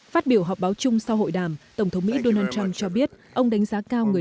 phát biểu họp báo chung sau hội đàm tổng thống mỹ donald trump cho biết ông đánh giá cao người